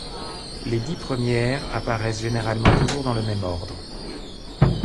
Les dix premières apparaissent généralement toujours dans le même ordre.